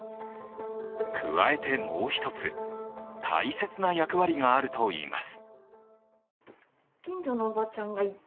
加えてもう一つ、大切な役割があるといいます。